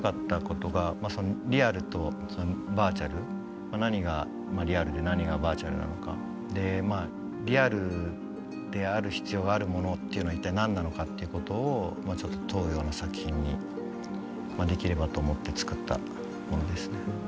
何がリアルで何がバーチャルなのかリアルである必要があるものっていうのは一体何なのかっていうことをちょっと問うような作品にできればと思って作ったものですね。